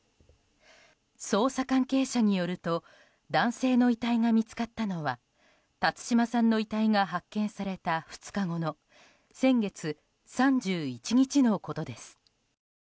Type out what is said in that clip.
捜査関係者によると男性の遺体が見つかったのは辰島さんの遺体が発見された２日後の先月３１日のことです。